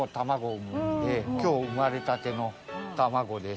今日産まれたての卵です。